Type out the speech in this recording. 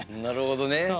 なるほどね。